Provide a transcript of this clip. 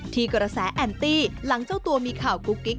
ที่กระแสแอนตี้หลังเจ้าตัวมีข่าวกุ๊กกิ๊ก